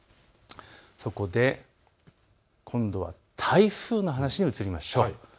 そこで今度は台風の話をしましょう。